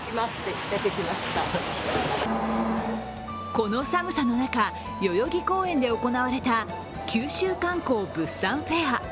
この寒さの中、代々木公園で行われた九州観光・物産フェア。